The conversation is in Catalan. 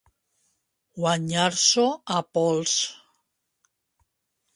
Guanyar-s'ho a pols.